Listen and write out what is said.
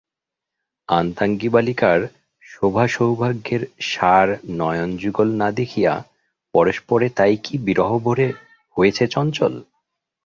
আনতাঙ্গী বালিকার শোভাসৌভাগ্যের সার নয়নযুগল না দেখিয়া পরস্পরে তাই কি বিরহভরে হয়েছে চঞ্চল?